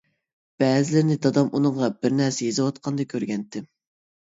بەزىلىرىنى دادام ئۇنىڭغا بىر نەرسە يېزىۋاتقاندا كۆرگەنىدىم.